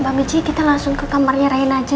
mbak michi kita langsung ke kamarnya reina aja ya